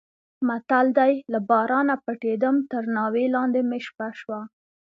متل دی: له بارانه پټېدم تر ناوې لاندې مې شپه شوه.